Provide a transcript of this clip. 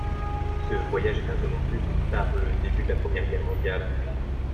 Ce voyage est interrompu par le début de la Première Guerre mondiale.